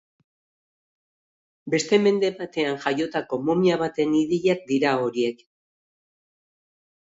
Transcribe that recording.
Beste mende batean jaiotako momia baten ideiak dira horiek.